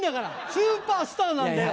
スーパースターなんだよ